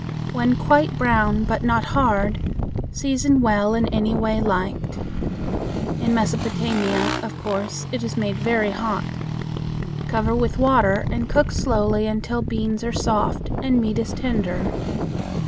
When quite brown but not hard, season well in any way liked. In Mesopotamia, of course it is made very hot. Cover with water and cook slowly until beans are soft and meat is tender.